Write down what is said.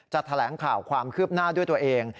แถลงข่าวความคืบหน้าด้วยตัวเอง